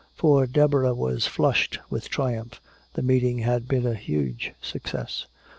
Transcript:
For Deborah was flushed with triumph, the meeting had been a huge success.